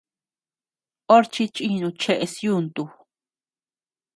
Orchi chinu cheʼes yuntu.